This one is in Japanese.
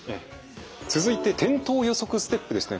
続いて転倒予測ステップですね。